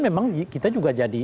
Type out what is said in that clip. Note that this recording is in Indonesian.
memang kita juga jadi